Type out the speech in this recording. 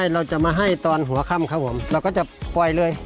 เราจะมาให้ตอนหัวค่ำครับผมเราก็จะปล่อยเลย